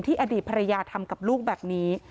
อดีตภรรยาทำกับลูกแบบนี้